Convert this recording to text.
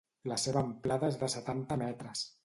La seva amplada és de setanta metres.